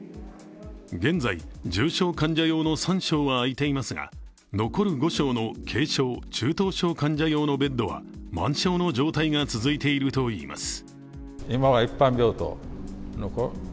現在、重症患者用の３床はあいていますが、残る５床の軽症・中等症患者用のベッドは満床の状態が続いているといいます。